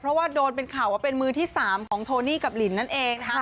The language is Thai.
เพราะว่าโดนเป็นข่าวว่าเป็นมือที่๓ของโทนี่กับลินนั่นเองนะคะ